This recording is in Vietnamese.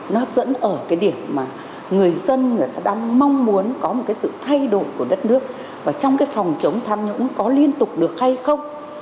nó hấp dẫn ở cái điểm mà người dân người ta đang mong muốn có một cái sự thay đổi của đất nước và trong cái phòng chống tham nhũng có liên tục được hay không